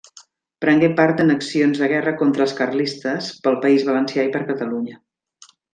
Prengué part en accions de guerra contra els carlistes pel País Valencià i per Catalunya.